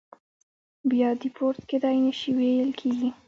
بیا دیپورت کېدای نه شي ویل کېږي.